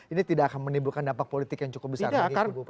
ini tidak akan menimbulkan dampak politik yang cukup besar bagi kubu prabowo